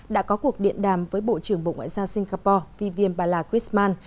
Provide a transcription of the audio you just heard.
đã có cuộc điện đàm với bộ trưởng bộ ngoại giao singapore vivian bala griezmann